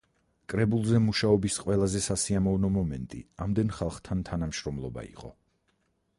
კრებულზე მუშაობის ყველაზე სასიამოვნო მომენტი ამდენ ხალხთან თანამშრომლობა იყო.